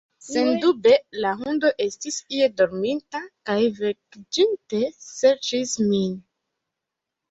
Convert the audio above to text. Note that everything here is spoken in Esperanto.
Sendube la hundo estis ie dorminta kaj vekiĝinte, serĉis min.